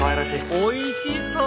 おいしそう！